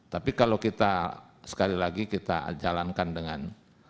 tapi kalau kita sekali lagi kita jalankan dengan